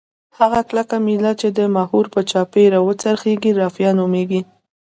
هغه کلکه میله چې د محور په چاپیره وڅرخیږي رافعه نومیږي.